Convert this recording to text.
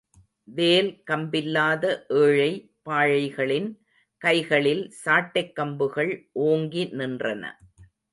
வேல் கம்பில்லாத ஏழை பாழைகளின் கைகளில் சாட்டைக்கம்புகள் ஓங்கி நின்றன.